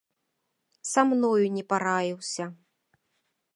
Са мною не параіўся.